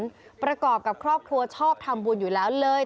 ประกอบกับครอบครัวชอบทำบุญอยู่แล้วเลย